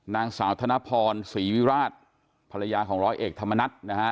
นางสาวธนพรศรีวิราชภรรยาของร้อยเอกธรรมนัฏนะฮะ